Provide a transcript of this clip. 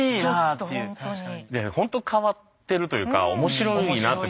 ほんと変わってるというか面白いなって